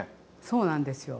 そうなんですよ。